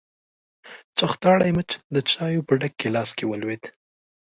چختاړي مچ د چايو په ډک ګيلاس کې ولوېد.